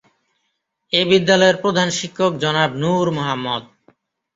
এ বিদ্যালয়ের প্রধান শিক্ষক জনাব নূর মোহাম্মদ।